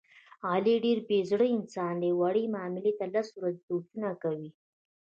علي ډېر بې زړه انسان دی، وړې معاملې ته لس ورځې سوچونه کوي.